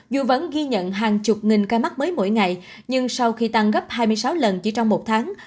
dù vẫn ghi nhận hàng chục nghìn ca mắc mới mỗi ngày nhưng sau khi tăng gấp hai mươi sáu lần chỉ trong một tháng